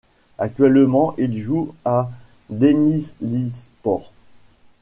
Actuellement il joue à Denizlispor.